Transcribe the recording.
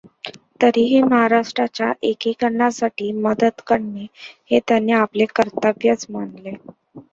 तरीही महाराष्ट्राच्या एकीकरणासाठी मदत करणे हे त्यांनी आपले कर्तव्यच मानले.